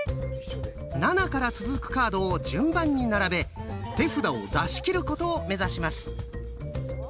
７から続くカードを順番に並べ手札を出し切ることを目指します。